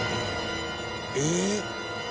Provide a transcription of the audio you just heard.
「えっ？